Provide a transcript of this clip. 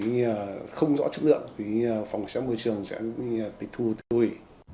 thì không rõ chất lượng thì phòng xã môi trường sẽ bị tịch thu tịch vụ ủy